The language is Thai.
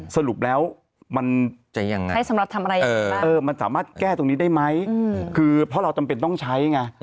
สรุปแล้วมันจะยังไงใช้สำหรับทำอะไรมันสามารถแก้ตรงนี้ได้ไหมคือเพราะเราจำเป็นต้องใช้ไง